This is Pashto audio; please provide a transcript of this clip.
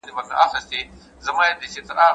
ایا بهرني سوداګر پسته پروسس کوي؟